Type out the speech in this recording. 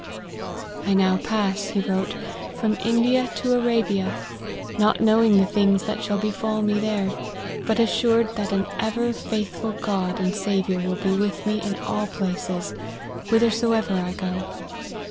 " I now pass," he wrote, " from India to Ar$ bia, not knowing the things that shall befall me there, but assured that an ever faithful God and Sa viour will be with me in all places, whithersoever I go.